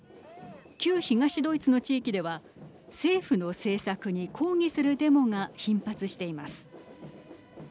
旧東ドイツの地域では政府の政策に抗議するデモが頻発しています。